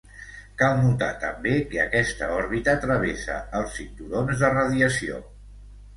Cal notar també que aquesta òrbita travessa els cinturons de radiació.